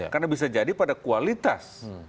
karena bisa jadi pada kualitas